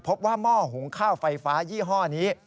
หม้อหุงข้าวไฟฟ้ายี่ห้อนี้